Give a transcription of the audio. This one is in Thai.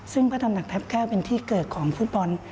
ซึ่งพระตำหนักทัพแก้วเป็นที่เกิดของฟุตบอล